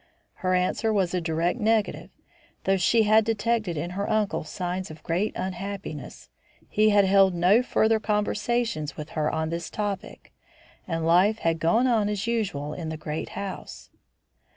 Her answer was a direct negative. Though she had detected in her uncle signs of great unhappiness, he had held no further conversation with her on this topic, and life had gone on as usual in the great house.